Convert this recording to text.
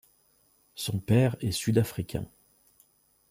Son père est sud-africain.